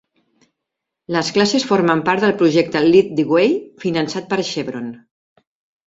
Les classes formen part del projecte Lead the Way, finançat per Chevron.